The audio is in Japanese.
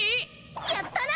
やったな！